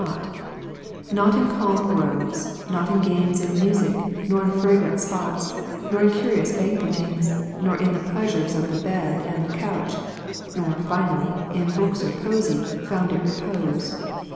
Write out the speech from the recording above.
Not in calm groves, not in games and music, nor in fragrant spots, nor in curious banquettings, nor in the pleasures of the bed and the couch ; nor (finally) in books or poesy, found it repose.